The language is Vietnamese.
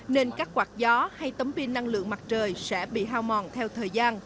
nên các quạt gió hay tấm pin năng lượng mặt trời sẽ bị hao mòn theo thời gian